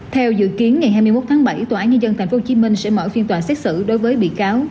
theo dự kiến ngày hai mươi một tháng bảy tòa án nhân dân tp hcm sẽ mở phiên tòa xét xử đối với bị cáo